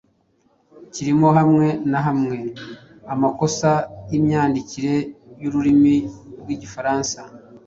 Kirimo hamwe na hamwe amakosa y'imyandikire y'ururimi rw'Igifaransa